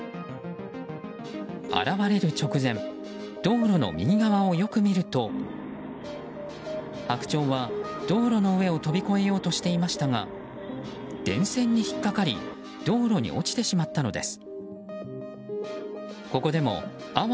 現れる直前道路の右側をよく見るとハクチョウは、道路の上を飛び越えようとしていましたが電線に引っかかり道路に落ちてしまったのです。